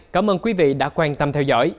cảm ơn quý vị đã quan tâm theo dõi